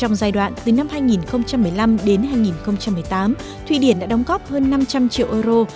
trong giai đoạn từ năm hai nghìn một mươi năm đến hai nghìn một mươi tám thụy điển đã đóng góp hơn năm trăm linh triệu euro